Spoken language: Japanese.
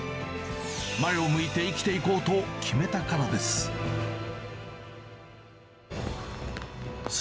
前を向いて生きていこうと決めたからです。